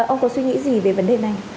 ông có suy nghĩ gì về vấn đề này